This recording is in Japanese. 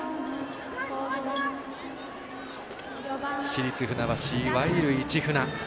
市立船橋、いわゆる市船。